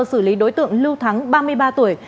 xử lý đối tượng lưu thắng ba mươi ba tuổi